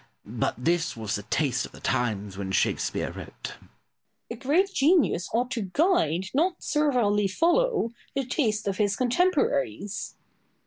But this was the taste of the times when Shakespeare wrote. Boileau. A great genius ought to guide, not servilely follow, the taste of his contemporaries.